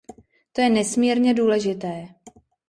To je nesmírně důležité.